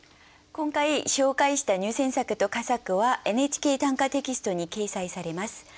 今回紹介した入選作と佳作は「ＮＨＫ短歌」テキストに掲載されます。